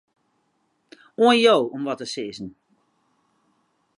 Oan jo om wat te sizzen.